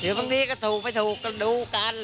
ถือบางทีก็ถูกไม่ถูกก็ดูกัน